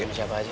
sama siapa aja